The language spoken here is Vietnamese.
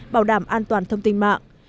bảo đảm an toàn thông tin mạng